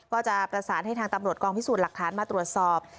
ก็จะประสานให้ทางตำรวจกองพิสูจน์หลักฐานมาตรวจสอบ